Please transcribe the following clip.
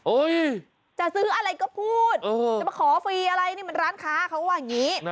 จะซื้ออะไรก็พูดจะมาขอฟรีอะไรนี่มันร้านค้าเขาว่าอย่างนี้